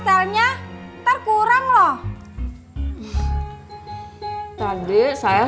tidak tidak tidak